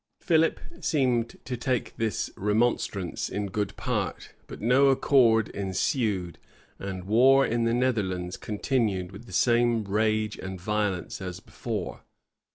Philip seemed to take this remonstrance in good part; but no accord ensued, and war in the Netherlands continued with the same rage and violence as before.